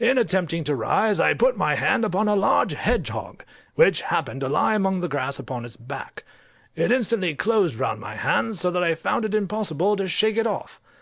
In attempting to rise I put my hand upon a large hedgehog, which happened to lie among the grass upon its back: it instantly closed round my hand, so that I found it impossible to shake it off.